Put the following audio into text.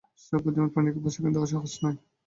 সব বুদ্ধিমান প্রাণীকে প্রশিক্ষণ দেওয়া সহজ নয়।